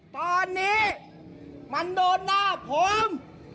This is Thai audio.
ตอนนี้มันโดนหน้าผม